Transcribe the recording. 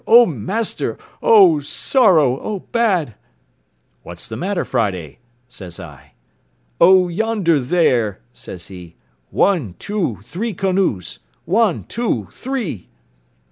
O master! O sorrow! O bad!"—"What's the matter, Friday?" says I. "O yonder there," says he, "one, two, three canoes; one, two, three!"